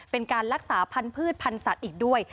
เป็นการรักษาพันธุ์พืชพันธุ์สัตว์อีกด้วย